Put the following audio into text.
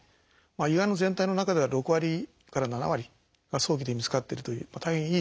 胃がんの全体の中では６割から７割が早期で見つかってるという大変いい状況になってきています。